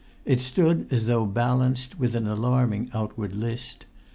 It[Pg 116] stood as though balanced, with an alarming outward list.